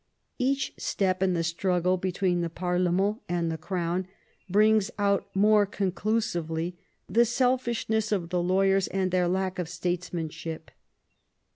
Each step in the struggle between the parlemerU and the crown brings out more conclusively the selfishness of the lawyers and their lack of statesmanship.